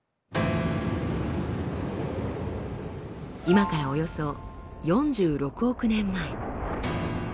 今からおよそ４６億年前。